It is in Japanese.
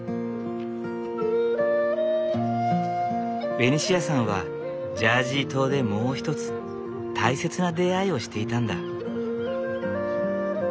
ベニシアさんはジャージー島でもう一つ大切な出会いをしていたんだ。